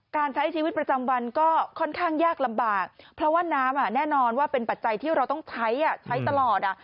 การใช้ชีวิตประจำวันก็ค่อนข้างยากลำบากเพราะว่าน้ำแน่นอนว่าเป็นปัจจัยที่เราต้องใช้ใช้ตลอด